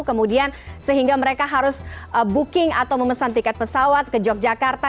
kemudian sehingga mereka harus booking atau memesan tiket pesawat ke yogyakarta